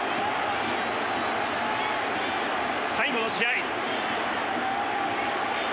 最後の試合。